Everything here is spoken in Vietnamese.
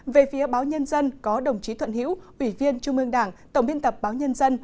về phía báo nhân dân có đồng chí thuận hiễu ủy viên trung ương đảng tổng biên tập báo nhân dân